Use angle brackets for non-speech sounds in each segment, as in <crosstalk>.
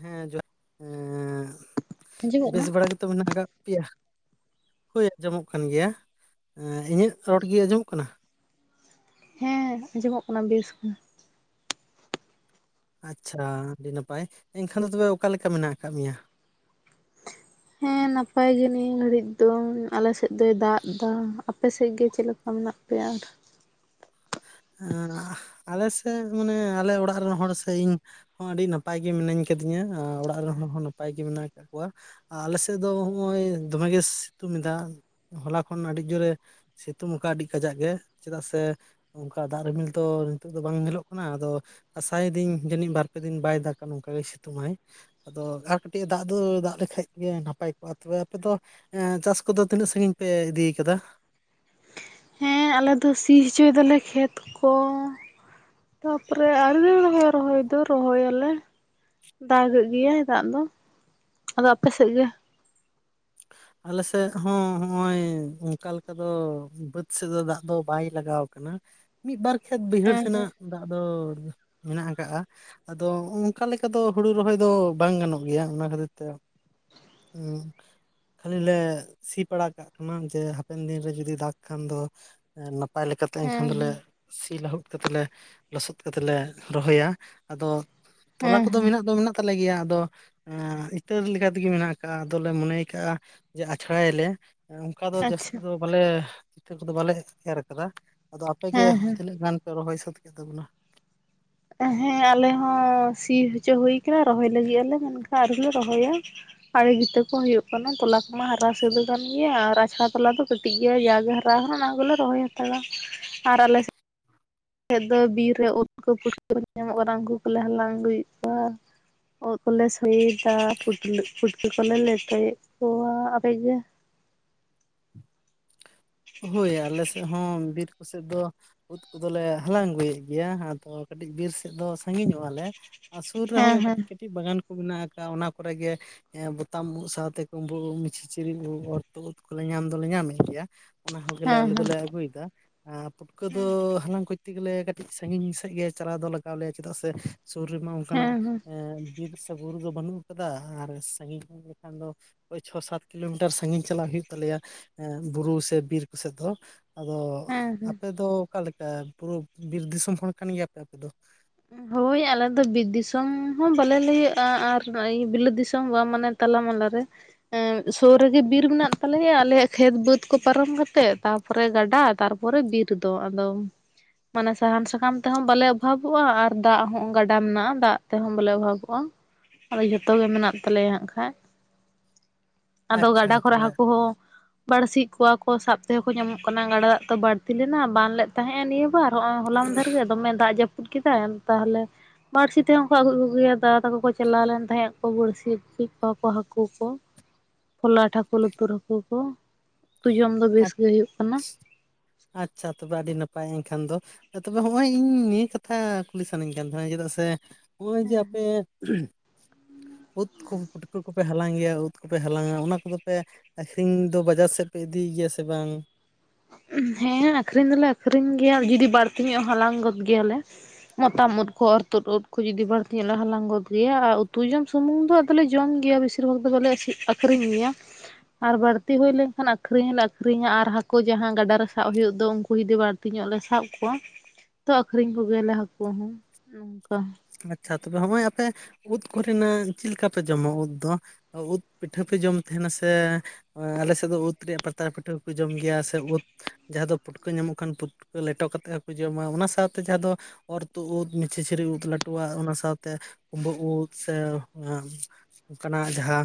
ᱦᱮᱸ ᱡᱚ ᱮ ᱟᱸᱡᱚᱢᱚᱜ ᱵᱮᱥ ᱠᱟᱱᱟ? ᱵᱟᱲᱟ ᱜᱮᱛᱚ ᱢᱮᱱᱟᱜ ᱠᱟᱜ ᱯᱮᱭᱟ ᱦᱳᱭ ᱟᱸᱡᱚᱢᱚᱜ ᱠᱟᱱ ᱜᱮᱭᱟ ᱤᱧᱟᱹᱜ ᱨᱚᱲ ᱜᱮ ᱟᱸᱡᱚᱢᱚᱜ ᱠᱟᱱᱟ ᱦᱮᱸ ᱟᱸᱡᱚᱢᱚᱜ ᱠᱟᱱᱟ ᱵᱮᱥ ᱜᱮ ᱟᱪᱪᱷᱟ ᱟᱹᱰᱤ ᱱᱟᱯᱟᱭ ᱮᱱᱠᱷᱟᱱ ᱫᱚ ᱛᱚᱵᱮ ᱚᱠᱟᱞᱮᱠᱟ ᱢᱮᱱᱟᱜ ᱟᱠᱟᱫ ᱢᱮᱭᱟ ᱦᱮᱸ ᱱᱟᱯᱟᱭ ᱜᱮ ᱱᱤᱭᱟᱹ ᱜᱷᱟᱹᱲᱤᱡ ᱫᱚ ᱟᱞᱮᱥᱮᱫ ᱫᱚᱭ ᱫᱟᱜ ᱫᱟ ᱟᱯᱮᱥᱮᱫ ᱜᱮ ᱪᱮᱫ ᱞᱮᱠᱟ ᱱᱟᱜ ᱯᱮᱭᱟᱨ ᱮᱸ ᱟᱞᱮ ᱥᱮᱫ ᱢᱟᱱᱮ ᱟᱞᱮ ᱚᱲᱟᱜ ᱨᱮᱱ ᱦᱚᱲ ᱥᱮ ᱤᱧ ᱦᱚᱸ ᱟᱹᱰᱤ ᱱᱟᱯᱟᱭ ᱜᱮ ᱢᱤᱱᱟᱹᱧ ᱠᱟᱫᱤᱧᱟ ᱚᱲᱟᱜ ᱨᱮᱱ ᱦᱚᱲ ᱦᱚᱸ ᱱᱟᱯᱟᱭ ᱜᱮ ᱢᱮᱱᱟᱜ ᱟᱠᱟᱫ ᱠᱚᱣᱟ ᱟᱞᱮ ᱥᱮᱫ ᱫᱚ ᱦᱚᱜᱼᱚᱭ ᱫᱚᱢᱮᱜᱮ ᱥᱤᱛᱩᱝ ᱮᱫᱟ ᱦᱚᱞᱟ ᱠᱷᱚᱱ ᱟᱹᱰᱤ ᱡᱳᱨᱮ ᱥᱤᱛᱩᱝ ᱠᱟᱜ ᱟᱹᱰᱤ ᱠᱟᱡᱟᱠ ᱜᱮ ᱪᱮᱫᱟᱜ ᱥᱮ ᱚᱱᱠᱟ ᱫᱟᱜ ᱨᱤᱢᱤᱞ ᱫᱚ ᱱᱤᱛᱳᱜ ᱫᱚ ᱵᱟᱝ ᱧᱮᱞᱚᱜ ᱠᱟᱱᱟ ᱟᱫᱚ ᱟᱥᱟᱭ ᱫᱟᱹᱧ ᱡᱟᱹᱱᱤᱡ ᱵᱟᱨ ᱯᱮ ᱫᱤᱱ ᱵᱟᱭ ᱫᱟᱜᱟ ᱱᱚᱝᱠᱟᱜᱮ ᱥᱤᱛᱩᱝ ᱟᱭ ᱟᱫᱚ ᱟᱨ ᱠᱟᱹᱴᱤᱡ ᱫᱟᱜ ᱫᱚ ᱫᱟᱜ ᱞᱮᱠᱷᱟᱡ ᱜᱮ ᱱᱟᱯᱟᱭ ᱠᱚᱜᱼᱟ ᱛᱚᱵᱮ ᱟᱯᱮ ᱫᱚ ᱮ ᱪᱟᱥ ᱠᱚᱫᱚ ᱛᱤᱱᱟᱹᱜ ᱥᱟᱹᱸᱜᱤᱧ ᱯᱮ ᱤᱫᱤ ᱠᱟᱫᱟ ᱦᱮᱸ ᱟᱞᱮ ᱫᱚ ᱥᱤ ᱦᱚᱪᱚᱭ ᱮᱫᱟᱞᱮ ᱠᱷᱮᱛ ᱠᱚ ᱛᱟᱯᱚᱨᱮ ᱟᱣᱨᱤ ᱞᱮ ᱨᱚᱦᱚᱭᱟ ᱨᱚᱦᱚᱭ ᱫᱚ ᱨᱚᱦᱚᱭᱟᱞᱮ ᱫᱟᱜᱮᱫ ᱜᱮᱭᱟᱭ ᱫᱟᱜ ᱫᱚ ᱟᱫᱚ ᱟᱯᱮ ᱥᱮᱫ ᱜᱮ ᱟᱞᱮ ᱥᱮᱫ ᱦᱚᱸ ᱦᱚᱸᱜᱼᱚᱭ ᱚᱱᱠᱟ ᱞᱮᱠᱟ ᱫᱚ ᱵᱟᱹᱫᱽ ᱥᱮᱫ ᱫᱚ ᱫᱟᱜ ᱫᱚ ᱵᱟᱭ ᱞᱟᱜᱟᱣ ᱠᱟᱱᱟ ᱢᱤᱫ ᱵᱟᱨ ᱠᱷᱮᱛ ᱵᱟᱹᱭᱦᱟᱹᱲ ᱦᱮᱸ ᱥᱮᱱᱟᱜ ᱦᱮᱸ ᱫᱟᱜ ᱫᱚ ᱢᱮᱱᱟᱜ ᱟᱠᱟᱜᱼᱟ ᱟᱫᱚ ᱚᱱᱠᱟ ᱞᱮᱠᱟ ᱫᱚ ᱦᱩᱲᱩ ᱨᱚᱦᱚᱭ ᱫᱚ ᱵᱟᱝ ᱜᱟᱱᱚᱜ ᱜᱮᱭᱟ ᱚᱱᱟ ᱠᱷᱟᱹᱛᱤᱨ ᱛᱮ ᱩᱸ ᱠᱷᱟᱹᱞᱤ ᱞᱮ ᱥᱤ ᱯᱟᱲᱟᱜ ᱠᱟᱜ ᱠᱟᱱᱟ ᱡᱮ ᱦᱟᱯᱮᱱ ᱫᱤᱱ ᱨᱮ ᱡᱩᱫᱤ ᱫᱟᱜᱽ ᱠᱷᱟᱱ ᱫᱚ ᱱᱟᱯᱟᱭ ᱞᱮᱠᱟᱛᱮ ᱮᱱᱠᱷᱟᱱ ᱦᱮᱸ ᱦᱮᱸ ᱫᱚᱞᱮ ᱥᱤ ᱞᱟᱹᱦᱩᱫ ᱠᱟᱛᱮ ᱞᱮ ᱞᱚᱥᱚᱫ ᱠᱟᱛᱮ ᱞᱮ ᱨᱚᱦᱚᱭᱟ ᱟᱫᱚ ᱛᱚᱞᱟ ᱦᱮᱸ ᱠᱚᱫᱚ ᱦᱮᱸ ᱢᱮᱱᱟᱜ ᱫᱚ ᱢᱮᱱᱟᱜ ᱛᱟᱞᱮ ᱜᱮᱭᱟ ᱟᱫᱚ ᱤᱛᱟᱹ ᱞᱮᱠᱟᱛᱮᱜᱮ ᱢᱮᱱᱟᱜ ᱠᱟᱜ ᱟ ᱟᱫᱚᱞᱮ ᱢᱚᱱᱮ ᱠᱟᱜᱼᱟ ᱡᱮ ᱟᱪᱷᱲᱟᱭ ᱟᱞᱮ ᱚᱱᱠᱟ ᱫᱚ ᱡᱟᱹᱥᱛᱤ ᱟᱪᱪᱷᱟ ᱫᱚ ᱵᱚᱞᱮ ᱤᱛᱟᱹ ᱠᱚᱫᱚ ᱵᱟᱞᱮ ᱮᱨ ᱠᱟᱫᱟ ᱟᱫᱚ ᱟᱯᱮ ᱜᱮ ᱦᱮᱸ ᱦᱮᱸ ᱛᱤᱱᱟᱹᱜ ᱜᱟᱱ ᱯᱮ ᱨᱚᱦᱚᱭ ᱥᱟᱹᱛ ᱠᱮᱫ ᱛᱟᱵᱚᱱᱟ ᱦᱮᱸ ᱟᱞᱮ ᱦᱚᱸ ᱥᱤ ᱦᱚᱪᱚ ᱦᱩᱭ ᱠᱟᱱᱟ ᱨᱚᱦᱚᱭ ᱞᱟᱹᱜᱤᱫ ᱟᱞᱮ ᱢᱮᱱᱠᱷᱟᱱ ᱟᱣᱨᱤ ᱞᱮ ᱨᱚᱦᱚᱭᱟ ᱟᱲᱮ ᱵᱷᱤᱛᱟᱹ ᱠᱚ ᱦᱩᱭᱩᱜ ᱠᱟᱱᱟ ᱛᱚᱞᱟ ᱠᱚᱢᱟ ᱦᱟᱨᱟ ᱥᱟᱹᱛ ᱟᱠᱟᱱ ᱜᱮᱭᱟ ᱟᱨ ᱟᱪᱷᱲᱟ ᱛᱚᱞᱟ ᱫᱚ ᱠᱟ. ᱴᱤᱡ ᱜᱮᱭᱟ ᱡᱟ ᱜᱮ ᱦᱟᱨᱟ ᱠᱟᱱᱟ ᱚᱱᱟ ᱠᱚᱞᱮ ᱨᱚᱦᱚᱭ ᱦᱟᱛᱟᱲᱟ ᱟᱨ ᱟᱞᱮ ᱥᱮᱫ ᱟᱞᱮ ᱥᱮᱡ ᱫᱚ ᱵᱤᱨ ᱨᱮ ᱳᱫ ᱯᱩᱴᱠᱟᱹ ᱧᱟᱢᱚᱜ ᱠᱟᱱᱟ ᱩᱱᱠᱩ ᱠᱚᱞᱮ ᱦᱟᱞᱟᱝ ᱟᱹᱜᱩᱭᱮᱫ ᱠᱚᱣᱟ ᱳᱫ ᱠᱚᱞᱮ ᱥᱳᱲᱮᱫᱟ ᱯᱩᱴᱞᱤ ᱯᱩᱴᱠᱟᱹ ᱠᱚᱞᱮ ᱞᱮᱴᱚᱭᱮᱫ ᱠᱚᱣᱟ ᱟᱯᱮ ᱜᱮ ᱦᱳᱭ ᱟᱞᱮ ᱥᱮᱫ ᱦᱚᱸ ᱵᱤᱨ ᱠᱚᱥᱮᱫ ᱫᱚ ᱩᱫ ᱠᱚᱫᱚ ᱞᱮ ᱦᱟᱞᱟᱝ ᱟᱹᱜᱩᱭᱮᱫ ᱜᱮᱭᱟ ᱟᱫᱚ ᱠᱟᱹᱴᱤᱡ ᱵᱤᱨ ᱥᱮᱫ ᱫᱚ ᱥᱟᱺᱜᱤᱧᱚᱜᱼᱟᱞᱮ ᱟᱨ ᱥᱩᱨ ᱦᱮᱸ ᱨᱮᱦᱚᱸ ᱦᱮᱸ ᱠᱟᱹᱴᱤᱡ ᱠᱟᱹᱴᱤᱡ ᱵᱟᱜᱟᱱ ᱠᱚ ᱢᱮᱱᱟᱜ ᱟᱠᱟᱜᱼᱟ ᱚᱱᱟ ᱠᱚᱨᱮ ᱜᱮ ᱮᱸ ᱵᱚᱛᱟᱢ ᱩᱫ ᱥᱟᱶᱛᱮ ᱠᱩᱳᱸᱵᱩᱜ ᱩᱫ ᱥᱤᱪᱨᱤᱡ ᱩᱫ ᱚᱨᱛᱩᱫ ᱩᱫ ᱠᱚᱞᱮ ᱧᱟᱢ ᱫᱚᱞᱮ ᱧᱟᱢᱮᱫ ᱜᱮᱭᱟ ᱚᱱᱟ ᱦᱚᱸᱜᱞᱮ ᱦᱮᱸ ᱟᱞᱮ ᱦᱮᱸ ᱫᱚᱞᱮ ᱟᱹᱜᱩᱭᱮᱫᱟ ᱟᱨ ᱯᱩᱴᱠᱟᱹ ᱫᱚ ᱦᱟᱞᱟᱝ ᱠᱩᱡ ᱛᱮ ᱜᱮᱞᱮ ᱠᱟᱹᱴᱤᱡ ᱥᱟᱺᱜᱤᱧ ᱥᱮᱫ ᱜᱮ ᱪᱟᱞᱟᱣ ᱫᱚ ᱞᱟᱜᱟᱣ ᱞᱮᱭᱟ ᱪᱮᱫᱟᱜ ᱥᱮ ᱥᱩᱨ ᱨᱮᱢᱟ ᱚᱱᱠᱟᱱᱟᱜ ᱦᱮᱸ ᱦᱮᱸ ᱵᱤᱨ ᱥᱮ ᱵᱩᱨᱩ ᱫᱚ ᱵᱟᱹᱱᱩᱜ ᱟᱠᱟᱫᱟ ᱟᱨ ᱥᱟᱺᱜᱤᱧ ᱠᱷᱟᱱ ᱫᱚ ᱳᱭ ᱪᱷᱚ ᱥᱟᱛ ᱠᱤᱞᱳ ᱢᱤᱴᱟᱨ ᱥᱟᱺᱜᱤᱧ ᱪᱟᱞᱟᱜ ᱦᱩᱭᱩᱜ ᱛᱟᱞᱮᱭᱟ ᱮᱸ ᱵᱩᱨᱩ ᱥᱮᱫ ᱵᱤᱨ ᱠᱚᱥᱮᱫ ᱫᱚ ᱟᱫᱚ ᱦᱮᱸ ᱦᱮᱸ ᱟᱯᱮ ᱫᱚ ᱚᱠᱟ ᱯᱩᱨᱟᱹ ᱵᱤᱨ ᱫᱤᱥᱚᱢ ᱦᱚᱲ ᱠᱟᱱ ᱜᱮᱭᱟ ᱯᱮ ᱟᱯᱮ ᱫᱚ ᱦᱳᱭ ᱟᱞᱮ ᱫᱚ ᱵᱤᱨ ᱫᱤᱥᱚᱢ ᱦᱚᱸ ᱵᱟᱞᱮ ᱞᱟᱹᱭᱟᱹᱜᱼᱟ ᱟᱨ ᱱᱚᱜᱼᱚᱭ ᱵᱤᱞᱟᱹᱛ ᱫᱤᱥᱚᱢ ᱵᱟᱝ ᱢᱟᱱᱮ ᱛᱟᱞᱟ ᱢᱟᱞᱟ ᱨᱮ ᱥᱩᱨ ᱨᱮᱜᱮ ᱵᱤᱨ ᱢᱮᱱᱟᱜ ᱛᱟᱞᱮᱭᱟ ᱟᱞᱮᱭᱟᱜ ᱠᱷᱮᱛ ᱵᱟᱹᱫᱽ ᱠᱚ ᱯᱟᱨᱚᱢ ᱠᱟᱛᱮ ᱛᱟᱯᱚᱨ ᱛᱟᱯᱚᱨᱮ ᱜᱟᱰᱟ ᱛᱟᱨᱯᱚᱨᱮ ᱵᱤᱨ ᱫᱚ ᱟᱫᱚ ᱢᱟᱱᱮ ᱥᱟᱦᱟᱱ ᱥᱟᱠᱟᱢ ᱛᱮᱦᱚᱸ ᱵᱟᱞᱮ ᱚᱵᱷᱟᱵᱽ ᱼᱟ ᱟᱨ ᱫᱟᱜ ᱦᱚᱸ ᱜᱟᱰᱟ ᱢᱮᱱᱟᱜᱼᱟ ᱫᱟᱜ ᱛᱮᱦᱚᱸ ᱵᱚᱞᱮ ᱚᱵᱷᱟᱵᱽᱚᱜᱼᱟ ᱟᱫᱚ ᱡᱷᱚᱛᱚ ᱜᱮ ᱢᱮᱱᱟᱜ ᱛᱟᱞᱮᱭᱟ ᱦᱟᱸᱜ ᱠᱷᱟᱡ ᱟᱫᱚ ᱟᱪᱪᱷᱟ ᱜᱟᱰᱟ ᱠᱚᱨᱮ ᱛᱚᱵᱮ ᱦᱟᱹᱠᱩ ᱦᱚᱸ ᱵᱟᱺᱲᱥᱤ ᱮᱫ ᱠᱚᱣᱟ ᱠᱚ ᱥᱟᱵ ᱛᱮᱦᱚᱸ ᱠᱚ ᱧᱟᱢᱚᱜ ᱠᱟᱱᱟ ᱜᱟᱰᱟ ᱫᱟᱜ ᱛᱚ ᱵᱟᱹᱲᱛᱤ ᱞᱮᱱᱟ ᱵᱟᱱ ᱞᱮᱫ ᱛᱟᱦᱮᱸᱜᱼᱟᱭ ᱱᱤᱭᱟᱹ ᱵᱟᱨ ᱱᱚᱜᱼᱚᱭ ᱦᱚᱞᱟ ᱢᱟᱦᱫᱮᱨ ᱜᱮ ᱫᱚᱢᱮ ᱫᱟᱜ ᱡᱟᱹᱯᱩᱫ ᱠᱮᱫᱟᱭ ᱛᱟᱦᱚᱞᱮ ᱵᱟᱺᱲᱥᱤ ᱛᱮᱦᱚᱸ ᱠᱚ ᱟᱹᱜᱩ ᱭᱮᱫ ᱠᱚ ᱜᱮᱭᱟ ᱫᱟᱫᱟ ᱛᱟᱠᱚ ᱠᱚ ᱪᱟᱞᱟᱣ ᱞᱮᱱ ᱛᱟᱦᱮᱸᱫ ᱠᱚ ᱵᱟᱺᱲᱥᱤ ᱟᱹᱜᱩ ᱠᱮᱫ ᱠᱚᱣᱟ ᱠᱚ ᱦᱟᱹᱠᱩ ᱠᱚ ᱯᱷᱚᱞᱟᱴ ᱦᱟᱹᱠᱩ ᱞᱩᱛᱩᱨ ᱦᱟᱹᱠᱩ ᱠᱚ ᱩᱛᱩ ᱡᱚᱢ ᱫᱚ ᱵᱮᱥ ᱜᱮ ᱦᱩᱭᱩᱜ ᱠᱟᱱᱟ ᱟᱪᱪᱷᱟ ᱛᱚᱵᱮ ᱟᱹᱰᱤ ᱱᱟᱯᱟᱭ ᱮᱱᱠᱷᱟᱱ ᱫᱚ ᱛᱚᱵᱮ ᱦᱚᱸᱜᱼᱚᱭ ᱤᱧ ᱱᱤᱭᱟᱹ ᱠᱟᱛᱷᱟ ᱠᱩᱞᱤ ᱥᱟᱱᱟᱧ ᱠᱟᱱ ᱛᱟᱦᱮᱸᱱᱟ ᱪᱮᱫᱟᱜ ᱥᱮ ᱱᱚᱜᱼᱚᱭ ᱡᱮ ᱟᱯᱮ ᱩᱫ ᱠᱚ ᱯᱩᱴᱠᱟᱹ ᱠᱚᱯᱮ ᱦᱟᱞᱟᱝ ᱜᱮᱭᱟ ᱩᱫ ᱠᱚᱯᱮ ᱦᱟᱞᱟᱝᱟ ᱚᱱᱟ ᱠᱚᱫᱚ ᱯᱮ ᱟᱹᱠᱷᱨᱤᱧ ᱫᱚ ᱵᱟᱡᱟᱨ ᱥᱮᱫ ᱯᱮ ᱤᱫᱤᱭ ᱜᱮᱭᱟ ᱥᱮ ᱵᱟᱝ ᱦᱮᱸ ᱟᱠᱷᱨᱤᱧ ᱫᱚᱞᱮ ᱟᱠᱷᱨᱤᱧ ᱜᱮᱭᱟ ᱡᱩᱫᱤ ᱵᱟᱹᱲᱛᱤ ᱧᱚᱜ ᱦᱚᱸ ᱦᱟᱞᱟᱝ ᱜᱚᱫᱽ ᱜᱮᱭᱟᱞᱮ ᱢᱚᱛᱟᱢ ᱩᱫ ᱠᱚ ᱚᱨᱛᱩᱫ ᱩᱫ ᱠᱚ ᱡᱩᱫᱤ ᱵᱟᱹᱲᱛᱤ ᱧᱚᱜ ᱦᱟᱞᱟᱝ ᱜᱚᱫᱽ ᱜᱮᱭᱟ ᱟᱨ ᱩᱛᱩ ᱡᱚᱢ ᱥᱩᱢᱩᱝ ᱫᱚ ᱟᱫᱚᱞᱮ ᱡᱚᱢ ᱜᱮᱭᱟ ᱵᱮᱥᱤᱨ ᱵᱷᱟᱜᱽ ᱫᱚ ᱵᱟᱞᱮ ᱟᱠᱷᱨᱤᱧ ᱜᱮᱭᱟ ᱟᱨ ᱵᱟᱹᱲᱛᱤ ᱦᱩᱭ ᱞᱮᱱᱠᱷᱟᱱ ᱟᱠᱷᱨᱤᱧ ᱦᱚᱸᱞᱮ ᱟᱠᱷᱨᱤᱧᱟ ᱟᱨ ᱠᱩ ᱡᱟᱦᱟᱸ ᱜᱟᱰᱟ ᱨᱮ ᱥᱟᱵ ᱦᱩᱭᱩᱜ ᱫᱚ ᱩᱱᱠᱩ ᱡᱩᱫᱤ ᱵᱟᱹᱲᱛᱤ ᱧᱚᱜ ᱞᱮ ᱥᱟᱵ ᱠᱚᱣᱟ ᱛᱚ ᱟᱠᱷᱨᱤᱧ ᱠᱚ ᱜᱮᱭᱟᱞᱮ ᱦᱟᱹᱠᱩ ᱦᱚᱸ ᱱᱚᱝᱠᱟ ᱟᱪᱪᱷᱟ ᱛᱚᱵᱮ ᱦᱚᱸᱜᱼᱚᱭ ᱟᱯᱮ ᱩᱫ ᱠᱚᱨᱮᱱᱟᱜ ᱪᱮᱫ ᱞᱮᱠᱟ ᱯᱮ ᱡᱚᱢᱟ ᱩᱫ ᱫᱚ? ᱩᱫ ᱯᱤᱴᱷᱟᱹ ᱯᱮ ᱡᱚᱢ ᱛᱟᱦᱮᱱᱟ ᱥᱮ ᱟᱞᱮ ᱥᱮᱫ ᱫᱚ ᱩᱫᱽ ᱨᱮᱭᱟᱜ ᱯᱟᱛᱲᱟ ᱯᱤᱴᱷᱟᱹ ᱠᱚ ᱡᱚᱢ ᱜᱮᱭᱟ ᱥᱮ ᱩᱫᱽ ᱡᱟᱦᱟᱸ ᱫᱚ ᱯᱩᱴᱠᱟᱹ ᱧᱟᱢᱚᱜ ᱠᱷᱟᱱ ᱯᱩᱴᱠᱟᱹ ᱞᱮᱴᱚ ᱠᱟᱛᱮᱫ ᱦᱚᱸᱠᱚ ᱡᱚᱢᱟ ᱚᱱᱟ ᱥᱟᱶᱛᱮ ᱡᱟᱦᱟᱸ ᱫᱚ ᱚᱨ ᱛᱩ ᱩᱫ ᱢᱤᱪᱷᱤᱪᱷᱤᱨᱤ ᱩᱫ ᱞᱟᱹᱴᱩᱣᱟᱜ ᱚᱱᱟ ᱥᱟᱶᱛᱮ ᱛᱩᱢᱵᱟᱹ ᱩᱫ ᱥᱮ ᱚᱱᱠᱟᱱᱟᱜ ᱡᱟᱦᱟᱸ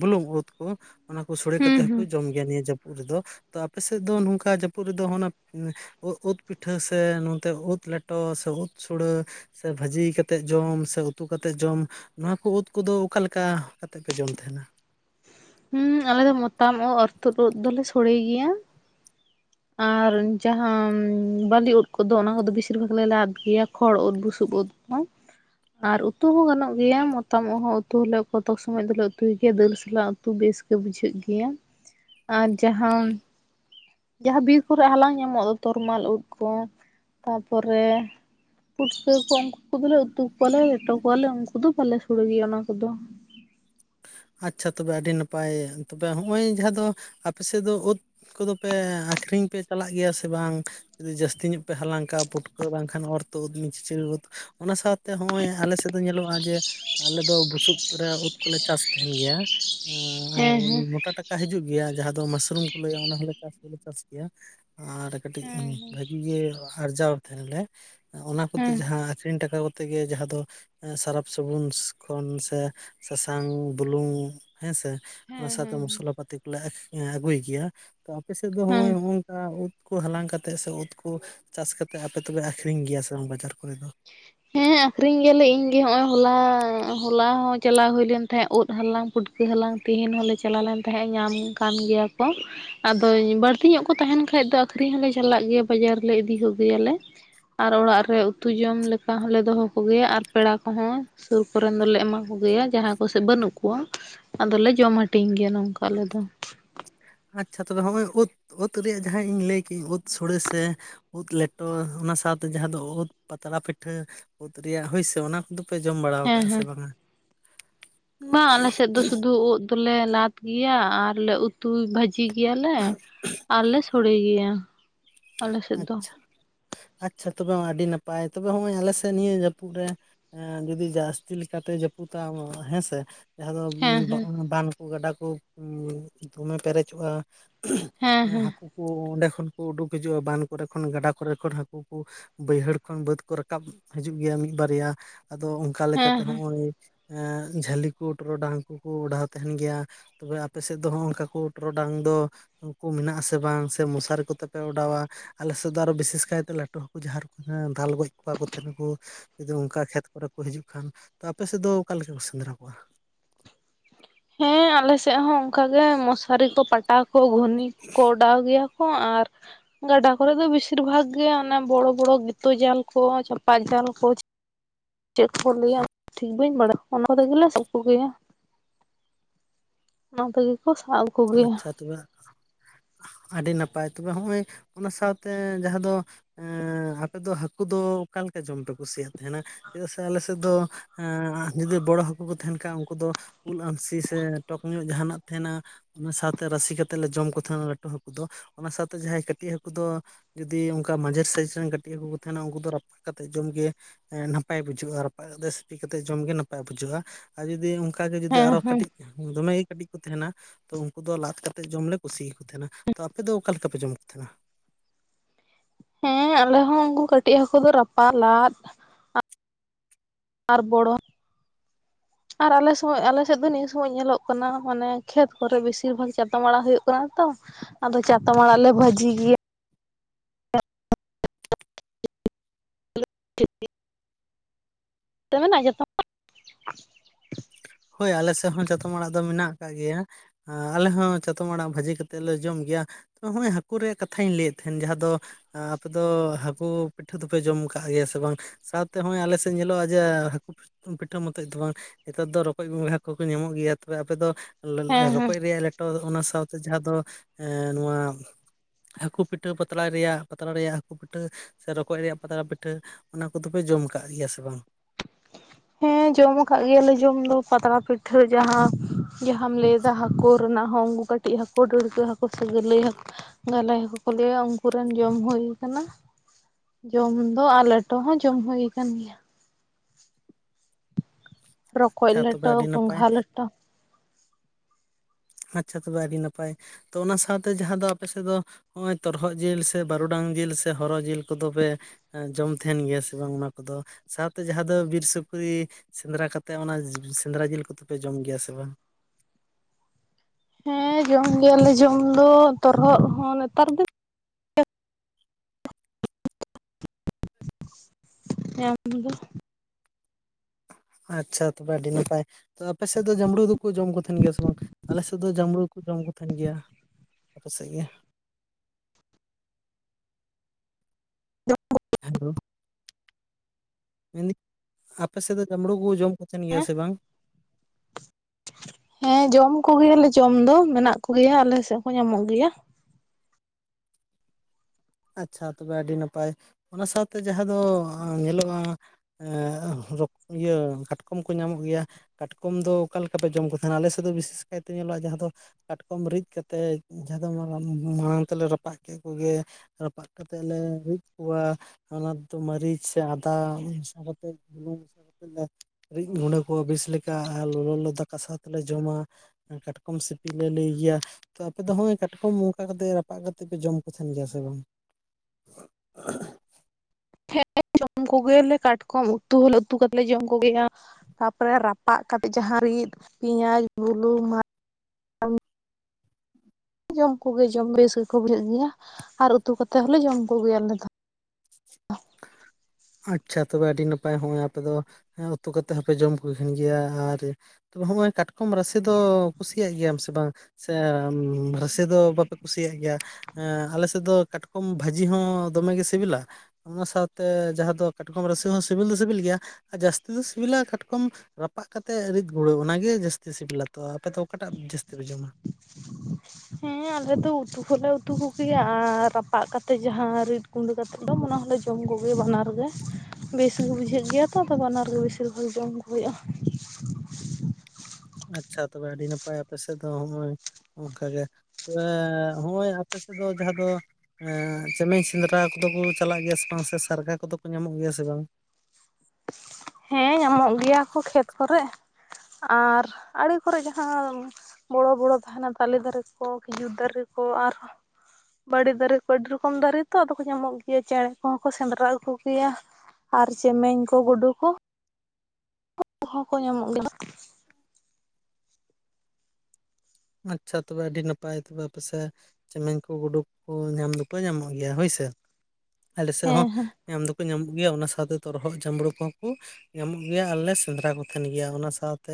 ᱵᱩᱞᱩᱝ ᱩᱫ ᱠᱚ ᱚᱱᱟᱠᱩ ᱥᱳᱲᱮ ᱦᱩᱸ ᱠᱟᱛᱮᱫ ᱦᱚᱸᱠᱚ ᱦᱩᱸ ᱡᱚᱢ ᱜᱮ ᱱᱤᱭᱟᱹ ᱡᱟᱹᱯᱩᱫ ᱨᱮᱫᱚ ᱛᱚ ᱟᱯᱮ ᱥᱮᱫ ᱫᱚ ᱱᱚᱝᱠᱟ ᱡᱟᱹᱯᱩᱫ ᱨᱮᱫᱚ ᱦᱚᱱᱟ ᱱᱤ ᱩᱛ ᱯᱤᱴᱷᱟᱹ ᱥᱮ ᱱᱚᱛᱮ ᱩᱫ ᱞᱮᱴᱚ ᱥᱮ ᱩᱫ ᱥᱩᱲᱟᱹ ᱥᱮ ᱵᱷᱟᱹᱡᱤ ᱠᱟᱛᱮᱫ ᱡᱚᱢ ᱥᱮ ᱩᱛᱩ ᱠᱟᱛᱮᱫ ᱡᱚᱢ? ᱱᱚᱣᱟ ᱠᱚ ᱩᱫ ᱠᱚᱫᱚ ᱚᱠᱟ ᱞᱮᱠᱟ ᱠᱟᱛᱮᱫ ᱯᱮ ᱡᱚᱢ ᱛᱟᱸᱦᱮᱱᱟ? ᱦᱩᱸ ᱟᱞᱮ ᱫᱚ ᱢᱚᱛᱟᱢ ᱩᱫ ᱚᱨᱛᱩᱫ ᱩᱫ ᱫᱚᱞᱮ ᱥᱳᱲᱮ ᱜᱮᱭᱟ ᱟᱨ ᱡᱟᱦᱟᱸ ᱵᱟᱹᱞᱤ ᱩᱫ ᱠᱚᱫᱚ ᱚᱱᱟ ᱠᱚᱫᱚ ᱵᱤᱥᱤᱨ ᱵᱷᱟᱜᱽ ᱞᱮ ᱞᱟᱫᱽ ᱜᱮᱭᱟ ᱠᱷᱚᱲ ᱩᱫ ᱵᱩᱥᱩᱵ ᱩᱫ ᱦᱮᱸ ᱟᱨ ᱩᱛᱩ ᱦᱚᱸ ᱜᱟᱱᱚᱜ ᱜᱮᱭᱟ ᱢᱚᱛᱟᱢ ᱩᱫ ᱦᱚᱸ ᱩᱛᱩ ᱦᱚᱸᱞᱮ ᱠᱚᱛᱚᱠ ᱥᱚᱢᱚᱭ ᱫᱚᱞᱮ ᱩᱛᱩᱭ ᱜᱮᱭᱟ ᱫᱟᱹᱞ ᱥᱟᱞᱟᱜ ᱦᱚᱸ। ᱩᱛᱩ ᱵᱮᱥ ᱜᱮ ᱵᱩᱡᱷᱟᱹᱜ ᱜᱮᱭᱟ ᱟᱨ ᱡᱟᱦᱟᱸ- ᱡᱟᱦᱟᱸ ᱵᱤᱨ ᱠᱚᱨᱮ ᱦᱟᱞᱟᱝ ᱧᱟᱢᱚᱜ ᱫᱚ ᱛᱚᱨᱢᱟᱞ ᱩᱫ ᱠᱚ ᱛᱟᱯᱚᱨᱮ, ᱯᱩᱴᱠᱟᱹ ᱠᱚ ᱩᱱᱠᱩ ᱠᱚᱫᱚᱞᱮ ᱩᱛᱩ ᱠᱚᱣᱟᱞᱮ, ᱞᱮᱴᱚ ᱠᱚᱣᱟᱞᱮ ᱩᱱᱠᱩ ᱫᱚ ᱵᱟᱞᱮ ᱥᱚᱲᱮ ᱜᱮᱭᱟ ᱚᱱᱟ ᱠᱚᱫᱚ। ᱟᱪᱪᱷᱟ ᱛᱚᱵᱮ ᱟᱹᱰᱤ ᱱᱟᱯᱟᱭ ᱛᱚᱵᱮ ᱦᱚᱸᱜᱼᱚᱭ ᱡᱟᱦᱟᱸ ᱫᱚ ᱟᱯᱮ ᱥᱮᱫ ᱫᱚ ᱩᱫᱽ ᱩᱱᱠᱩ ᱠᱚᱫᱚ ᱯᱮ ᱟᱠᱷᱨᱤᱧ ᱯᱮ ᱪᱟᱞᱟᱜ ᱜᱮᱭᱟ ᱥᱮ ᱵᱟᱝ? ᱡᱩᱫᱤ ᱡᱟᱹᱥᱛᱤ ᱧᱚᱜ ᱯᱮ ᱦᱟᱞᱟᱝ ᱠᱟᱜᱼᱟ ᱯᱩᱴᱠᱟᱹ ᱵᱟᱝᱠᱷᱟᱱ ᱚᱨ ᱛᱩᱫ ᱢᱤᱪᱤᱪᱷᱤᱨᱤ ᱩᱫ ᱚᱱᱟ ᱥᱟᱶᱛᱮ ᱛᱮ ᱦᱚᱸᱜ-ᱚᱭ ᱟᱞᱮᱥᱮᱫ ᱫᱚ ᱧᱮᱞᱚᱜᱼᱟ ᱡᱮ ᱟᱞᱮ ᱫᱚ ᱵᱩᱥᱩᱵ ᱨᱮ ᱩᱫ ᱠᱚᱞᱮ ᱪᱟᱥ ᱛᱟᱸᱦᱮᱱ ᱜᱮᱭᱟ ᱟᱨ ᱦᱮᱸ ᱦᱮᱸ ᱢᱚᱴᱟ ᱴᱟᱠᱟ ᱦᱤᱡᱩᱜ ᱜᱮᱭᱟ ᱡᱟᱦᱟᱸ ᱫᱚ ᱢᱟᱥᱨᱩᱢ ᱠᱚ ᱞᱟᱹᱭᱟ ᱚᱱᱟ ᱦᱚᱸᱞᱮ ᱪᱟᱥ ᱫᱚᱞᱮ ᱪᱟᱥ ᱜᱮᱭᱟ ᱟᱨ ᱠᱟᱹᱴᱤᱡ ᱦᱮᱸ ᱵᱷᱟᱜᱤ ᱜᱮ ᱟᱨᱡᱟᱣ ᱛᱟᱦᱮᱸᱱᱟ ᱞᱮ ᱚᱱᱟ ᱦᱮᱸ ᱠᱚᱛᱮ ᱦᱮᱸ ᱡᱟᱦᱟᱸ ᱟᱠᱷᱨᱤᱧ ᱴᱟᱠᱟ ᱠᱚ ᱛᱮᱜᱮ ᱡᱟᱸᱦᱟ ᱫᱚ ᱥᱟᱨᱟᱯ ᱥᱟᱵᱩᱱ ᱠᱷᱚᱱ ᱥᱮ ᱥᱟᱥᱟᱝ ᱵᱩᱞᱩᱝ ᱦᱮᱸᱥᱮ ᱚᱱᱟ ᱦᱮᱸ ᱥᱟᱶᱛᱮ ᱦᱮᱸ ᱢᱚᱥᱞᱟ ᱯᱟᱹᱛᱤ ᱠᱚᱞᱮ ᱟᱹᱜᱩᱭ ᱜᱮᱭᱟ। ᱟᱞᱮ ᱥᱮᱫ ᱫᱚ ᱦᱮᱸ ᱦᱚᱸᱼᱚᱭ ᱦᱚᱸᱼᱚᱭ ᱟ ᱩᱫᱽ ᱠᱚ ᱦᱟᱞᱟᱝ ᱠᱟᱛᱮᱜ ᱥᱮ ᱩᱫᱽ ᱠᱚ ᱪᱟᱥ ᱠᱟᱛᱮ ᱟᱯᱮ ᱫᱚᱯᱮ ᱟᱠᱷᱨᱤᱧ ᱜᱮᱭᱟ ᱥᱮ ᱵᱟᱝ ᱵᱟᱡᱟᱨ ᱠᱚᱨᱮ ᱫᱚ? ᱦᱮᱸᱜ <unintelligible> ᱟᱹᱠᱷᱨᱤᱧ ᱜᱮᱭᱟᱞᱮ ᱤᱧᱜᱮ ᱱᱚᱜᱼᱚᱭ ᱦᱚᱞᱟ ᱦᱚᱞᱟ ᱦᱚᱸ ᱪᱟᱞᱟᱣ ᱦᱩᱭ ᱞᱮᱱ ᱛᱟᱸᱦᱮᱜ ᱩᱫ ᱦᱟᱞᱟᱝ ᱯᱩᱴ ᱦᱟᱞᱟᱝ ᱛᱮᱦᱤᱧ ᱦᱚᱞᱮ ᱪᱟᱞᱟᱣ ᱞᱮᱱ ᱛᱟᱦᱮᱸᱜ ᱧᱟᱢ ᱠᱟᱱ ᱜᱮᱭᱟ ᱠᱚ। ᱟᱫᱚ ᱵᱟᱹᱲᱛᱤ ᱧᱚᱜ ᱠᱚ ᱛᱟᱦᱮᱱ ᱠᱷᱟᱡ ᱫᱚ ᱟᱠᱷᱨᱤᱧ ᱦᱚᱸᱞᱮ ᱪᱟᱞᱟᱜ ᱜᱮᱭᱟ ᱵᱟᱡᱟᱨ ᱞᱮ ᱤᱫᱤ ᱠᱚᱜᱮᱭᱟᱞᱮ। ᱟᱨ ᱚᱲᱟᱜ ᱨᱮ ᱩᱛᱩ ᱡᱚᱢ ᱞᱮᱠᱟ ᱦᱚᱸᱞᱮ ᱫᱚᱦᱚ ᱠᱚᱜᱮᱭᱟ ᱟᱨ ᱯᱮᱲᱟ ᱠᱚ ᱦᱚᱸ। ᱥᱩᱨ ᱠᱚᱨᱮᱱ ᱫᱚᱞᱮ ᱮᱢᱟ ᱠᱚᱜᱮᱭᱟ ᱡᱟᱦᱟᱸᱭ ᱠᱚᱥᱮᱫ ᱵᱟᱹᱱᱩᱜ ᱠᱚᱣᱟ। ᱟᱫᱚᱞᱮ ᱡᱚᱢ ᱦᱟᱹᱴᱤᱧ ᱜᱮᱭᱟ ᱱᱚᱝᱠᱟ ᱟᱞᱮ ᱫᱚ। ᱟᱪᱪᱷᱟ ᱛᱚᱵᱮ ᱦᱚᱸᱜᱼᱚᱭ ᱩᱛ ᱩᱛ ᱨᱮᱭᱟᱜ ᱡᱟᱸᱦᱟ ᱤᱧ ᱞᱟᱹᱭ ᱠᱮᱜ ᱤᱧ ᱩᱛ ᱥᱳᱲᱮ ᱥᱮ ᱩᱫ ᱞᱮᱴᱚ ᱚᱱᱟ ᱥᱟᱶᱛᱮ ᱡᱟᱦᱟᱸ ᱫᱚ ᱩᱫ ᱯᱟᱛᱲᱟ ᱯᱤᱴᱷᱟᱹ ᱩᱫ ᱨᱮᱭᱟᱜ ᱦᱳᱭᱥᱮ ᱚᱱᱟ ᱠᱚᱫᱚ ᱯᱮ ᱡᱚᱢ ᱵᱟᱲᱟᱣ ᱦᱮᱸ ᱟᱠᱟᱜᱼᱟ ᱥᱮ ᱦᱮᱸ ᱵᱟᱝᱟ? ᱵᱟᱝ ᱟᱞᱮ ᱥᱮᱫ ᱫᱚ ᱥᱩᱫᱷᱩ ᱩᱫ ᱫᱚᱞᱮ ᱞᱟᱫ ᱜᱮᱭᱟ ᱟᱨ ᱞᱮ ᱩᱛ ᱛᱩᱭ ᱵᱷᱟᱹᱡᱤ ᱜᱮᱭᱟᱞᱮ ᱟᱨᱞᱮ ᱥᱚᱲᱮ ᱜᱮᱭᱟ। ᱟᱞᱮ ᱥᱮᱫ ᱫᱚ ᱟᱪᱪᱷᱟ ᱟᱪᱪᱷᱟ ᱛᱚᱵᱮ ᱟᱹᱰᱤ ᱱᱟᱯᱟᱭ ᱛᱚᱵᱮ ᱱᱚᱜᱼᱚᱭ ᱟᱞᱮ ᱥᱮᱫ ᱱᱤᱭᱟᱹ ᱡᱟᱹᱯᱩᱫ ᱨᱮ ᱮᱸ ᱡᱩᱫᱤ ᱡᱟᱹᱥᱛᱤ ᱞᱮᱠᱟᱛᱮ ᱡᱟᱹᱯᱩᱫᱟ ᱦᱮᱸᱥᱮ। ᱡᱟᱦᱟᱸ ᱫᱚ ᱦᱮᱸ ᱦᱮᱸ ᱵᱟᱸᱫᱷ ᱠᱚ ᱜᱟᱰᱟ ᱠᱚ ᱫᱚᱢᱮ ᱯᱮᱨᱮᱡᱚᱜᱼᱟ। ᱦᱮᱸ ᱦᱮᱸ ᱦᱟᱹᱠᱩ ᱠᱩ ᱚᱸᱰᱮ ᱠᱷᱚᱱ ᱠᱚ ᱩᱰᱩᱠ ᱦᱤᱡᱩᱜᱼᱟ ᱵᱟᱸᱱ ᱠᱚᱨᱮ ᱠᱷᱚᱱ ᱜᱟᱰᱟ ᱠᱚᱨᱮ ᱠᱷᱚᱱ ᱦᱟᱠᱩ ᱠᱩ ᱵᱟᱹᱭᱦᱟᱹᱲ ᱠᱷᱚᱱ ᱵᱟᱹᱫᱽ ᱠᱚ ᱨᱟᱠᱟᱵ ᱦᱤᱡᱩᱜ ᱜᱮᱭᱟ ᱢᱤᱫ ᱵᱟᱨᱭᱟ ᱟᱫᱚ ᱚᱱᱠᱟ ᱦᱮᱸ ᱞᱮᱠᱟᱛᱮ ᱦᱮᱸ ᱦᱚᱜᱼᱚᱭ ᱡᱷᱟᱹᱞᱤ ᱠᱚ ᱴᱚᱨᱚᱰᱟᱝ ᱠᱩ ᱠᱚ ᱚᱰᱟᱣ ᱛᱟᱸᱦᱮᱱ ᱜᱮᱭᱟ। ᱛᱚᱵᱮ ᱟᱯᱮ ᱥᱮᱫ ᱫᱚ ᱦᱚᱸᱜᱼᱝᱠᱟ ᱠᱚ ᱴᱚᱨᱚᱰᱟᱝ ᱫᱚ ᱠᱚ ᱢᱮᱱᱟᱜ ᱟᱥᱮ ᱵᱟᱝ ᱥᱮ ᱢᱚᱥᱟᱨᱤ ᱠᱚᱛᱮᱯᱮ ᱚᱰᱟᱣ-ᱟ ᱟᱞᱮᱥᱮᱫ ᱫᱚ ᱟᱨᱚ ᱵᱤᱥᱮᱥ ᱠᱟᱭᱛᱮ ᱞᱟᱹᱴᱩ <unintelligible> ᱠᱚ ᱫᱟᱞ ᱜᱚᱡ ᱠᱚᱣᱟ ᱠᱚ ᱛᱟᱦᱮ ᱱᱟᱠᱩ ᱡᱩᱫᱤ ᱱᱚᱱᱠᱟ ᱠᱷᱮᱛ ᱠᱚᱨᱮ ᱠᱚ ᱦᱤᱡᱩᱜ ᱠᱷᱟᱱ ᱛᱚ ᱟᱯᱮ ᱥᱮᱫ ᱫᱚ ᱚᱠᱟ ᱞᱮᱠᱟ ᱠᱚ ᱥᱮᱸᱫᱽᱨᱟ ᱠᱚᱜᱣᱟ ᱦᱮᱸ ᱟᱞᱮᱥᱮᱫ ᱦᱚᱸ ᱚᱱᱠᱟ ᱜᱮ ᱢᱚᱥᱟᱨᱤ ᱛᱮ ᱯᱟᱴᱟᱣ ᱦᱚᱭ ᱜᱷᱚᱱᱤ ᱠᱚᱠᱚ ᱚᱰᱟᱣ ᱜᱮᱭᱟ ᱠᱚ ᱟᱨ ᱜᱟᱰᱟ ᱠᱚᱨᱮ ᱫᱚ ᱵᱮᱥᱤᱨ ᱵᱷᱟᱜᱽ ᱜᱮ ᱵᱚᱲᱚ ᱵᱚᱲᱚ ᱜᱤᱛᱟᱹ ᱡᱟᱞ ᱠᱚ ᱪᱟᱸᱯᱟ ᱡᱟᱞ ᱠᱚ ᱪᱮᱫ ᱠᱚ ᱞᱟᱹᱭᱟ ᱴᱷᱤᱠ ᱵᱟᱹᱧ ᱵᱟᱲᱟᱭᱟ ᱚᱱᱟ ᱠᱚᱛᱮᱜᱮᱞᱮ ᱥᱟᱵ ᱠᱚᱜᱮᱭᱟ ᱚᱱᱟ ᱛᱮᱜᱮ ᱠᱚ ᱥᱟᱵᱣᱟ ᱟᱪᱷᱟ ᱛᱚᱵᱮ <unintelligible> ᱟᱹᱰᱤ ᱱᱟᱯᱟᱭ ᱛᱚᱵᱮ ᱦᱚᱸᱜᱼᱚᱭ ᱚᱱᱟ ᱥᱟᱶᱛᱮ ᱡᱟᱦᱟᱸ ᱫᱚ ᱮ ᱟᱯᱮ ᱫᱚ ᱦᱟᱹᱠᱩ ᱫᱚ ᱚᱠᱟᱞᱮᱠᱟ ᱡᱚᱢ ᱯᱮ ᱠᱩᱥᱤᱭᱟᱜ ᱛᱟᱦᱮᱱᱟ ᱪᱮᱫᱟᱜ ᱥᱮ ᱟᱞᱮ ᱥᱮᱫ ᱫᱚ ᱮ ᱡᱩᱫᱤ ᱵᱚᱲᱚ ᱦᱟᱹᱠᱩ ᱠᱚ ᱛᱟᱦᱮᱱ ᱠᱷᱟᱱ ᱩᱱᱠᱩ ᱫᱚ ᱩᱞ ᱟᱹᱢᱥᱤ ᱥᱮ ᱴᱚᱠ ᱧᱚᱜ ᱡᱟᱦᱟᱱᱟᱜ ᱛᱟᱦᱮᱱᱟ ᱚᱱᱟ ᱥᱟᱶᱛᱮ ᱨᱟᱥᱮ ᱠᱟᱛᱮᱫ ᱞᱮ ᱡᱚᱢ ᱠᱚ ᱛᱟᱦᱮᱸᱱᱟ ᱞᱟᱹᱴᱩ ᱦᱟᱹᱠᱩ ᱫᱚ ᱚᱱᱟ ᱥᱟᱶᱛᱮ ᱡᱟᱦᱟᱸᱭ ᱠᱟᱹᱴᱤᱡ ᱦᱟᱹᱠᱩ ᱫᱚ ᱡᱩᱫᱤ ᱚᱱᱠᱟ ᱢᱟᱡᱷᱮᱨ ᱥᱟᱭᱤᱡ ᱨᱮᱱ ᱠᱟᱹᱴᱤᱡ ᱦᱟᱹᱠᱩ ᱠᱚ ᱛᱟᱦᱮᱱᱟ ᱩᱱᱠᱩ ᱫᱚ ᱨᱟᱯᱟᱜ ᱠᱟᱛᱮᱫ ᱡᱚᱢ ᱜᱮ ᱱᱟᱯᱟᱭ ᱵᱩᱡᱷᱟᱹᱜᱼᱟ ᱨᱟᱯᱟᱜ ᱠᱟᱛᱮ ᱥᱤᱯᱤ ᱠᱟᱛᱮᱜ ᱡᱚᱢᱜᱮ ᱱᱟᱯᱟᱭ ᱵᱩᱡᱷᱟᱹᱜᱼᱟ ᱟᱨ ᱡᱩᱫᱤ ᱚᱱᱠᱟᱜᱮ ᱡᱩᱫᱤ ᱦᱮᱸ ᱟᱨᱚ ᱠᱟᱹᱴᱤᱡ ᱫᱚᱢᱮ ᱜᱮ ᱠᱟᱹᱴᱤᱡ ᱠᱚ ᱛᱟᱦᱮᱱᱟ ᱛᱚ ᱩᱱᱠᱩ ᱫᱚ ᱞᱟᱫ ᱠᱟᱛᱮᱫ ᱡᱚᱢᱞ ᱞᱮ ᱠᱩᱥᱤᱭᱟᱠᱚ ᱛᱟᱦᱮᱱᱟ ᱛᱚ ᱟᱯᱮ ᱫᱚ ᱚᱠᱟ ᱞᱮᱠᱟᱯᱮ ᱡᱚᱢᱮᱫ ᱠᱚ ᱛᱟᱦᱮᱱᱟ ᱦᱮᱸ ᱟᱞᱮ ᱦᱚᱸ ᱩᱱᱠᱩ ᱠᱟᱹᱴᱤᱡ ᱦᱟᱹᱠᱩ ᱫᱚ ᱨᱟᱯᱟ ᱞᱟᱫ ᱟᱨ ᱵᱚᱲᱚ ᱟᱨ ᱟᱞᱮ ᱥᱚᱢᱚᱭ ᱟᱞᱮᱥᱮᱫ ᱫᱚ ᱱᱤᱭᱟᱹ ᱥᱚᱢᱚᱭ ᱧᱮᱞᱚᱜ ᱠᱟᱱᱟ ᱢᱟᱱᱮ ᱠᱷᱮᱛ ᱠᱚᱨᱮ ᱵᱮᱥᱤᱨ ᱵᱷᱟᱜᱽ ᱪᱟᱛᱚᱢ ᱵᱟᱲᱟ ᱦᱩᱭᱩᱜ ᱠᱟᱱᱟ ᱛᱚ ᱟᱫᱚ ᱪᱟᱛᱟᱢ ᱟᱲᱟᱜ ᱞᱮ ᱵᱷᱟᱹᱡᱤ ᱜᱮᱭᱟ ᱷ ᱢᱮᱱᱟᱜ ᱡᱚᱛᱚ ᱦᱳᱭ ᱟᱞᱮ ᱥᱮᱫ ᱦᱚᱸ ᱡᱚᱛᱚᱢ ᱟᱲᱟᱜ ᱫᱚ ᱢᱮᱱᱟᱜ ᱟᱠᱟᱟᱜ ᱜᱮᱭᱟ ᱟᱞᱮ ᱦᱚᱸ ᱪᱟᱛᱚᱢ ᱟᱲᱟᱜ ᱵᱷᱟᱹᱡᱤ ᱠᱟᱛᱮᱫ ᱞᱮ ᱡᱚᱢ ᱜᱮᱭᱟ ᱛᱚ ᱦᱚᱸᱜᱼᱭ ᱦᱟᱹᱠᱩ ᱨᱮᱭᱟᱜ ᱠᱟᱛᱷᱟᱧ ᱞᱟᱹᱭᱮᱫ ᱛᱟᱦᱮᱱ ᱡᱟᱦᱟᱸ ᱫᱚ ᱟᱯᱮ ᱫᱚ ᱦᱟᱹᱠᱩ ᱯᱤᱴᱷᱟᱹ ᱫᱚᱯᱮ ᱡᱚᱢ ᱠᱟᱜ ᱜᱮᱭᱟ ᱥᱮ ᱵᱟᱝ ᱥᱟᱶᱛᱮ ᱦᱚᱸᱜᱼᱚᱭ ᱟᱞᱮᱥᱮᱫ ᱧᱮᱞᱚᱜᱼᱟ ᱡᱮ ᱦᱟᱹᱠᱩ ᱯᱤᱴᱷᱟᱹ ᱢᱚᱛᱚᱡ ᱫᱚ ᱵᱟᱝ ᱱᱮᱛᱟᱨ ᱫᱚ ᱨᱚ ᱨᱚᱠᱚᱡ ᱵᱚᱸᱜᱲᱟ ᱠᱚᱠᱚ ᱧᱟᱢᱚᱜ ᱜᱮᱭᱟ ᱛᱚᱵᱮ ᱟᱯᱮ ᱫᱚ ᱦᱮᱸ ᱦᱮᱸ ᱨᱚᱠᱚᱡ ᱨᱮᱭᱟᱜ ᱯᱷᱴᱳ ᱚᱱᱟ ᱥᱟᱶᱛᱮ ᱡᱟᱦᱟᱸ ᱫᱚ ᱮ ᱱᱚᱣᱟ ᱦᱟᱹᱠᱩ ᱯᱤᱴᱷᱟᱹ ᱯᱟᱛᱞᱟ ᱨᱮᱭᱟᱜ ᱯᱟᱛᱲᱟ ᱨᱮᱭᱟᱜ ᱦᱟᱹᱠᱩ ᱯᱤᱴᱷᱟᱹ ᱥᱮ ᱨᱚᱠᱚᱡ ᱨᱮᱭᱟᱜ ᱯᱟᱛᱲᱟ ᱯᱤᱴᱷᱟᱹ ᱚᱱᱟ ᱠᱚᱫᱚᱯᱮ ᱡᱚᱢ ᱠᱟᱜ ᱜᱮᱭᱟ ᱥᱮ ᱵᱟᱝ ᱦᱮᱸ ᱡᱚᱢ ᱟᱠᱟᱫ ᱜᱮᱭᱟᱞᱮ ᱡᱚᱢ ᱫᱚ ᱯᱟᱛᱲᱟ ᱯᱤᱴᱷᱟᱹ ᱡᱟᱦᱟᱸ ᱡᱟᱦᱟᱸᱟᱢᱞ ᱫᱟ ᱦᱟᱹᱠᱩ ᱨᱮᱱᱟᱜ ᱦᱚᱸ ᱩᱱᱠᱩ ᱠᱟᱹᱴᱤᱡ ᱦᱟᱹᱠᱩ ᱰᱟᱹᱟᱹᱲᱠᱟᱹ ᱦᱟᱹᱠᱩ ᱥᱮ ᱜᱟᱹᱞᱟᱹᱭ ᱦᱟᱹᱠᱩ ᱜᱞᱟᱭ ᱠᱚᱠᱚ ᱞᱟᱹᱭᱟ ᱩᱱᱠᱮᱱ ᱡᱚᱢ ᱦᱩᱭᱩ ᱠᱟᱱᱟ ᱡᱚᱢ ᱫᱚ ᱟᱨ ᱞᱮᱴᱚ ᱦᱚᱸ ᱡᱚᱢ ᱦᱩ ᱟᱠᱟᱱ ᱜᱮᱭᱟ ᱨᱚᱠᱚᱡ ᱟᱪᱪᱷᱟ ᱛᱚᱵᱮ ᱞᱮᱴᱚ ᱟᱹᱰᱤ ᱱᱟᱯᱟᱭ ᱜᱚᱝᱜᱷᱟ ᱞᱮᱴᱚ ᱟᱪᱷᱟ ᱛᱚᱵᱮ ᱟᱹᱰᱤ ᱱᱟᱯᱟᱭ ᱛᱚ ᱚᱱᱟ ᱥᱟᱶᱛᱮ ᱡᱟᱦᱟᱸ ᱫᱚ ᱟᱯᱮ ᱥᱮᱫ ᱫᱚ ᱱᱚᱜᱼᱚᱭ ᱛᱚᱨᱦᱚᱫ ᱡᱤᱞ ᱥᱮ ᱵᱟᱹᱨᱩᱰᱟᱝ ᱡᱤᱞ ᱥᱮ ᱦᱚᱨᱚ ᱡᱤᱞ ᱠᱚᱫᱚ ᱯᱮ ᱡᱚᱢ ᱛᱟᱦᱮᱱ ᱜᱮᱭᱟ ᱥᱮ ᱵᱟᱝ ᱚᱱᱟ ᱠᱚᱫᱚ ᱥᱟᱶᱛᱮ ᱡᱟᱦᱟᱸ ᱫᱚ ᱵᱤᱨ ᱥᱩᱠᱨᱤ ᱥᱮᱸᱫᱽᱨᱟ ᱠᱟᱛᱮᱫ ᱚᱱᱟ ᱥᱮᱸᱫᱽᱨᱟ ᱡᱤᱞ ᱠᱚᱫᱚᱯᱮ ᱡᱚᱢ ᱜᱮᱭᱟ ᱥᱮ ᱵᱟᱝ ᱦᱮᱸ ᱡᱚᱢ ᱜᱮᱭᱟᱞᱮ ᱡᱚᱢ ᱫᱚ ᱛᱚᱨᱚᱦᱚᱫ ᱦᱚᱸ ᱱᱮᱛᱟᱨ ᱫᱚ <unintelligible> ᱮᱢ ᱫᱚ ᱟᱪᱷᱟ ᱛᱚᱵᱮ ᱟᱹᱰᱤ ᱱᱟᱯᱟᱭ ᱛᱚ ᱟᱯᱮ ᱥᱮᱫ ᱫᱚ ᱡᱟᱸᱢᱲᱩ ᱫᱚ ᱠᱚ ᱡᱚᱢ ᱠᱚ ᱛᱟᱦᱮᱱ ᱜᱮᱭᱟ ᱥᱮ ᱵᱟᱝ ᱟᱞᱮ ᱥᱮᱫ ᱫᱚ ᱡᱟᱸᱲᱩ ᱠᱚ ᱡᱚᱢ ᱠᱚ ᱛᱟᱦᱮᱱ ᱜᱮᱭᱟ ᱟᱯᱮ ᱥᱮᱫ ᱜᱮ ᱦᱮᱞᱳ ᱢᱮᱱᱫᱟᱹᱧ ᱟᱯᱮ ᱥᱮᱫ ᱫᱚ ᱡᱟᱸᱲᱩ ᱠᱚ ᱡᱚᱢ ᱠᱚ ᱛᱟᱦᱮᱱ ᱜᱮᱭᱟ ᱥᱮ ᱵᱟᱝ? ᱦᱮᱸ ᱡᱚᱢ ᱠᱚᱜᱮᱭᱟᱞᱮ ᱡᱚᱢ ᱫᱚ ᱢᱮᱱᱟᱜ ᱠᱚᱜᱮᱭᱟ ᱟᱞᱮ ᱥᱮᱫ ᱦᱚᱸ ᱧᱟᱢᱚᱜ ᱜᱮᱭᱟ ᱟᱪᱷᱟ ᱛᱚᱵᱮ ᱟᱹᱰᱤ ᱱᱟᱯᱟᱭ ᱚᱱᱟ ᱥᱟᱶᱛᱮ ᱡᱟᱦᱟᱸ ᱫᱚ ᱧᱮᱞᱚᱜᱼᱟ ᱮᱸᱻ ᱨᱚᱠ ᱤᱭᱟᱹ ᱠᱟᱴᱠᱚᱢ ᱠᱚ ᱧᱟᱢᱚᱜ ᱜᱮᱭᱟ। ᱠᱟᱴᱠᱚᱢ ᱫᱚ ᱚᱠᱟ ᱞᱮᱠᱟ ᱯᱮ ᱡᱚᱢ ᱠᱚ ᱛᱟᱦᱮᱱᱟ? ᱟᱞᱮ ᱥᱮᱫ ᱫᱚ ᱵᱤᱥᱮᱥ ᱠᱟᱭᱛᱮ ᱧᱮᱞᱚᱜᱼᱟ ᱡᱟᱦᱟᱸ ᱫᱚ ᱼᱼ ᱠᱟᱴᱠᱚᱢ ᱨᱤᱫ ᱠᱟᱛᱮᱫ ᱡᱟᱸᱦᱟ ᱫᱚ ᱢᱟᱨᱟᱝ ᱢᱟᱲᱟᱝ ᱛᱮᱞᱮ ᱨᱟᱯᱟᱜ ᱠᱮᱫ ᱠᱚᱜᱮ। ᱨᱟᱯᱟᱜ ᱠᱟᱛᱮᱫ ᱞᱮ ᱨᱤᱫ ᱠᱚᱣᱟ। ᱚᱱᱟ ᱫᱚ ᱢᱟᱹᱨᱤᱪ ᱥᱮ ᱟᱫᱟ ᱢᱮᱥᱟ ᱠᱟᱛᱮᱫ ᱵᱩᱞᱩᱝ ᱢᱮᱥᱟ ᱼᱼ ᱨᱤᱫ ᱜᱩᱰᱟᱹ ᱠᱚᱣᱟ ᱵᱤᱥ ᱞᱮᱠᱟ ᱟᱨ ᱞᱚᱞᱚ ᱫᱟᱠᱟ ᱥᱟᱶ ᱛᱮᱞᱮ ᱡᱚᱢᱟ। ᱠᱟᱴᱠᱚᱢ ᱥᱤᱯᱤ ᱞᱮ ᱞᱟᱹᱭ ᱜᱮᱭᱟ। ᱛᱚ ᱟᱯᱮ ᱫᱚ ᱦᱚᱸᱜᱭ ᱠᱟᱴᱠᱚᱢ ᱚᱱᱠᱟ ᱠᱟᱛᱮ ᱨᱟᱯᱟᱜ ᱠᱟᱛᱮᱜ ᱯᱮ ᱡᱚᱢ ᱠᱚ ᱛᱟᱦᱮᱱ ᱜᱮᱭᱟ ᱥᱮ ᱵᱟᱝ? ᱦᱮᱸ ᱡᱚᱢ ᱠᱚᱜᱮᱭᱟᱞᱮ ᱠᱟᱴᱠᱚᱢ ᱩᱛᱩ ᱦᱚᱸᱞᱮ ᱩᱛᱩ ᱠᱟᱛᱮ ᱞᱮ ᱡᱚᱢ ᱠᱚᱜᱮᱭᱟ। ᱛᱟᱯᱚᱨᱮ ᱨᱟᱯᱟᱜ ᱠᱟᱛᱮᱜ ᱡᱟᱦᱟᱸ ᱨᱤᱫ ᱯᱮᱸᱭᱟᱡ ᱵᱩᱞᱩᱝ ᱢᱟᱨᱤᱪ ᱡᱚᱢ ᱠᱚᱜᱮ ᱡᱚᱢ ᱵᱮᱥ ᱜᱮᱠᱚ ᱵᱩᱡᱷᱟᱹᱜ ᱜᱮᱭᱟ ᱟᱨ ᱩᱛᱩ ᱠᱟᱛᱮ ᱦᱚᱞᱮ ᱡᱚᱢ ᱠᱚᱜᱮᱭᱟ ᱟᱞᱮ ᱫᱚ। <inaudible> ᱟᱪᱷᱟ ᱛᱚᱵᱮ ᱟᱹᱰᱤ ᱱᱟᱯᱟᱭ ᱦᱚᱸᱜᱼᱚᱭ ᱟᱯᱮ ᱫᱚ ᱩᱛᱩ ᱠᱟᱛᱮᱫ ᱦᱚᱸᱯᱮ ᱡᱚᱢ ᱠᱚ ᱦᱩᱭᱮᱱ ᱜᱮᱭᱟ ᱟᱨ ᱛᱚᱵᱮ ᱦᱚᱸᱜᱼᱚᱭ ᱠᱟᱴᱠᱚᱢ ᱨᱟᱥᱮ ᱫᱚ ᱠᱩᱥᱤᱭᱟᱜ ᱜᱮᱭᱟᱢ ᱥᱮ ᱵᱟᱝ? ᱥᱮ ᱨᱟᱟᱹᱥᱮ ᱫᱚ ᱵᱟᱯᱮ ᱠᱩᱥᱤᱭᱟᱜ ᱜᱮᱭᱟ ᱮᱸ ᱟᱞᱮ ᱥᱮᱫ ᱫᱚ ᱠᱟᱴᱠᱚᱢ ᱵᱷᱟᱹᱡᱤ ᱦᱚᱸ ᱫᱚᱢᱮᱜ ᱜᱮ ᱥᱤᱵᱤᱞᱟ ᱾ ᱚᱱᱟ ᱥᱟᱶᱛᱮ ᱡᱟᱦᱟᱸ ᱫᱚ ᱠᱟᱴᱠᱚᱢ ᱨᱟᱥᱮ ᱦᱚᱸ ᱥᱤᱵᱤᱞ ᱫᱚ ᱥᱤᱵᱤᱞ ᱜᱮᱭᱟ ᱾ ᱟᱨ ᱡᱟᱹᱥᱛᱤ ᱫᱚ ᱥᱤᱵᱤᱞᱟ ᱠᱟᱴᱠᱚᱢ ᱨᱟᱯᱟᱜ ᱠᱟᱛᱮᱫ ᱨᱤᱫ ᱜᱩᱲᱟᱹ ᱚᱱᱟᱜᱮ ᱡᱟᱹᱥᱛᱤ ᱥᱤᱵᱤᱞᱟ᱾ ᱛᱚ ᱟᱯᱮ ᱫᱚ ᱚᱠᱟᱴᱟᱜ ᱡᱟᱹᱥᱛᱤ ᱯᱮ ᱡᱚᱢᱟ? ᱦᱮᱸ ᱟᱞᱮ ᱫᱚ ᱩᱛᱩ ᱦᱚᱸᱞᱮ ᱩᱛᱩ ᱠᱚᱜᱮᱭᱟ᱾ ᱟᱨ ᱨᱟᱯᱟᱜ ᱠᱟᱛᱮ ᱡᱟᱦᱟᱸ ᱨᱤᱫ ᱼᱼ ᱠᱩᱰᱟᱹ ᱠᱟᱛᱮᱫ ᱫᱚ ᱚᱱᱟ ᱦᱚᱸᱞᱮ ᱡᱚᱢ ᱠᱚ ᱜᱮᱭᱟ ᱵᱟᱱᱟᱨ ᱜᱮ। ᱵᱮᱥ ᱜᱮ ᱵᱩᱡᱷᱟᱹᱜ ᱜᱮᱭᱟ ᱛᱚ ᱛᱚᱵᱮ ᱚᱱᱟᱨᱜᱮ ᱵᱮᱥᱤᱨ ᱵᱷᱟᱜᱽ ᱡᱚᱢ ᱠᱚ ᱦᱩᱭᱩᱜᱼᱟ। ᱟᱪᱪᱷᱟ ᱛᱚᱵᱮ ᱟᱹᱰᱤ ᱱᱟᱯᱟᱭ ᱟᱯᱮᱥᱮᱫ ᱫᱚ ᱦᱟᱸᱜ-ᱚᱭ। ᱚᱱᱠᱟᱜᱮ ᱛᱚ ᱦᱚᱸᱜᱼᱚᱭ ᱟᱯᱮ ᱥᱮᱫ ᱫᱚ ᱡᱟᱦᱟᱸ ᱫᱚ ᱼᱼ ᱪᱮᱢᱮᱧ ᱥᱮᱸᱫᱽᱨᱟ ᱠᱚᱫᱚ ᱠᱚ ᱪᱟᱞᱟᱜ ᱜᱮᱭᱟ ᱥᱮ ᱵᱟᱝ ᱥᱮ ᱥᱟᱨᱜᱟ ᱠᱚᱫᱚ ᱠᱚ ᱧᱟᱢᱚᱜ ᱜᱮᱭᱟ ᱥᱮ ᱵᱟᱝ? ᱦᱮᱸ ᱧᱟᱢᱚᱜ ᱜᱮᱭᱟ ᱠᱚ ᱠᱷᱮᱛ ᱠᱚᱨᱮ᱾ ᱟᱨ ᱟᱲᱮ ᱠᱚᱨᱮ ᱡᱟᱦᱟᱸ ᱵᱚᱲᱚ ᱵᱚᱲᱚ ᱛᱟᱦᱮᱱᱟ ᱛᱟᱞᱮ ᱫᱟᱨᱮ ᱠᱚ ᱠᱷᱤᱡᱩᱨ ᱫᱟᱨᱮ ᱠᱚ ᱟᱨ ᱵᱟᱲ ᱫᱟᱨᱮ ᱠᱚ ᱟᱹᱰᱤ ᱨᱚᱠᱚᱢ ᱫᱟᱨᱮ ᱛᱚ ᱟᱫᱚ ᱠᱚ ᱧᱟᱢᱚᱜ ᱜᱮᱭᱟ ᱪᱮᱬᱮ ᱠᱚᱦᱚᱸ ᱠᱚ ᱥᱮᱸᱫᱽᱨᱟ ᱟᱜᱩ ᱠᱚᱜᱮᱭᱟ। ᱟᱨ ᱪᱮᱢᱮᱧ ᱠᱚ ᱜᱩᱰᱩ ᱠᱚ। ᱠᱚᱦᱚᱸ ᱠᱚ ᱧᱟᱢᱚᱜ ᱜᱮᱭᱟ। ᱟᱪᱪᱷᱟ ᱛᱚᱵᱮ ᱟᱹᱰᱤ ᱱᱟᱯᱟᱭ ᱛᱚᱵᱮ ᱟᱯᱮᱥᱮᱜ, ᱪᱮᱢᱮᱧ ᱠᱚ ᱜᱩᱰᱩᱠ ᱠᱚ ᱧᱟᱢ ᱫᱚ ᱠᱚ ᱧᱟᱢᱚᱜ ᱜᱮᱭᱟ ᱦᱳᱭᱥᱮ ᱟᱞᱮ ᱥᱮᱫ ᱦᱮᱸ ᱦᱚᱸ। ᱦᱮᱸ ᱧᱟᱢ ᱫᱚᱠᱚ ᱧᱟᱢᱚᱜ ᱜᱮᱭᱟ ᱚᱱᱟ ᱥᱟᱶᱛᱮ ᱛᱚᱨᱦᱚᱫ ᱡᱟᱸᱵᱲᱳ ᱠᱚᱦᱚᱸ ᱠᱚ ᱧᱟᱢᱚᱜ ᱜᱮᱭᱟ ᱟᱨᱞᱮ ᱥᱮᱸᱫᱽᱨᱟ ᱠᱚ ᱛᱟᱦᱮᱱ ᱜᱮᱭᱟ। ᱚᱱᱟ ᱥᱟᱶᱛᱮ